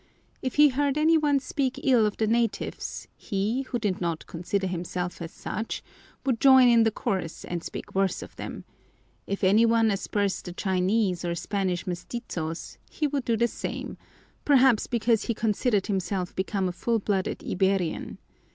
If he heard any one speak ill of the natives, he, who did not consider himself as such, would join in the chorus and speak worse of them; if any one aspersed the Chinese or Spanish mestizos, he would do the same, perhaps because he considered himself become a full blooded Iberian.